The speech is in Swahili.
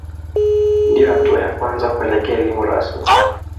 Ndiyo hatua ya kwanza kuelekea elimu rasmi.